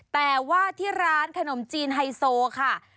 แต่ว่าที่ร้านขนมจีนไฮโซค่ะ